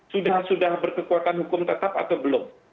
sudah sudah berkekuatan hukum tetap atau belum